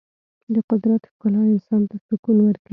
د قدرت ښکلا انسان ته سکون ورکوي.